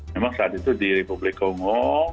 memang saat itu di republik kongo